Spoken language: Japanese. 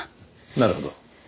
なるほど。